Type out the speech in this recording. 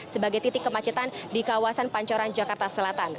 sebagai titik kemacetan di kawasan pancoran jakarta selatan